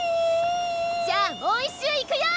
じゃあもう一周いくよ！